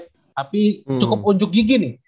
tapi cukup unjuk gigi nih